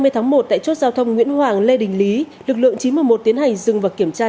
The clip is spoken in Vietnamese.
tổng trị giá là hai cây